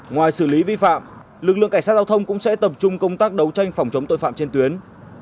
ngoài xử lý vi phạm lực lượng cảnh sát giao thông cũng sẽ tập trung công tác đấu tranh phòng chống tội phạm trên tuyến